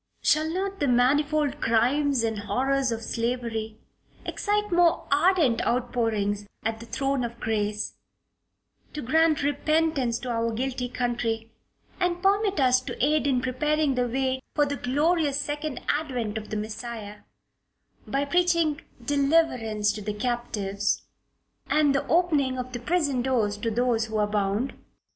Shall not the manifold crimes and horrors of slavery excite more ardent outpourings at the throne of grace to grant repentance to our guilty country and permit us to aid in preparing the way for the glorious second Advent of the Messiah, by preaching deliverance to the captives and the opening of the prison doors to those who are bound.